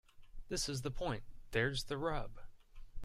This is the point. There's the rub.